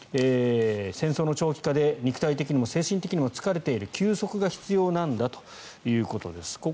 戦争の長期化で肉体的にも精神的にも疲れている休息が必要なんだということです。